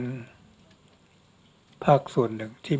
ภาคส่วนหนึ่งที่มีความสุขของบุคคล